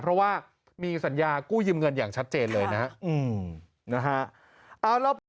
เพราะว่ามีสัญญากู้ยืมเงินอย่างชัดเจนเลยนะครับ